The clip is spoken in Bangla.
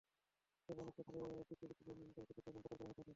তবে অনেক ক্ষেত্রে বিক্রি বৃদ্ধির জন্য মুখরোচক বিজ্ঞাপন প্রচার করা হয়ে থাকে।